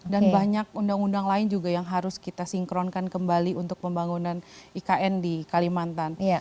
dan banyak undang undang lain juga yang harus kita sinkronkan kembali untuk pembangunan ikn di kalimantan